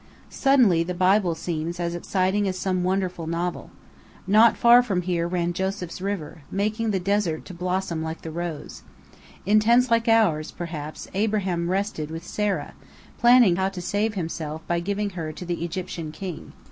Suddenly the Bible seems as exciting as some wonderful novel. Not far from here ran Joseph's river, making the desert to blossom like the rose. In tents like ours, perhaps, Abraham rested with Sarah, planning how to save himself by giving her to the Egyptian king.